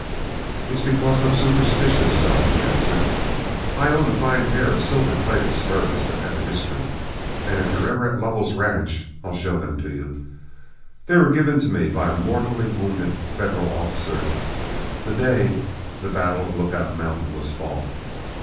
"It's because I'm superstitious, son," he answered. "I own a fine pair of silver plated spurs that have a history, and if you're ever at Lovell's ranch I'll show them to you. They were given to me by a mortally wounded Federal officer the day the battle of Lookout Mountain was fought.